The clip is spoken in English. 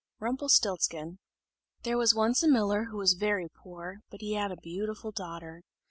'" RUMPELSTILZCHEN. There was once a miller who was very poor, but he had a beautiful daughter.